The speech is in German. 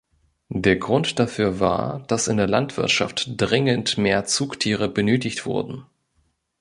Der Grund dafür war, dass in der Landwirtschaft dringend mehr Zugtiere benötigt wurden.